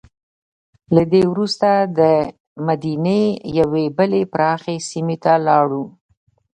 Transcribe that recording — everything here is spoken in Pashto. له دې وروسته دمدینې یوې بلې پراخې سیمې ته لاړو.